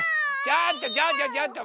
ちょっと！